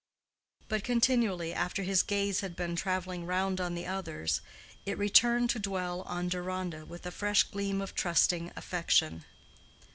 But continually, after his gaze had been traveling round on the others, it returned to dwell on Deronda with a fresh gleam of trusting affection.